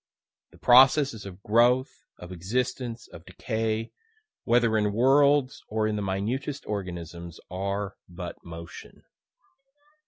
The processes of growth, of existence, of decay, whether in worlds, or in the minutest organisms, are but motion."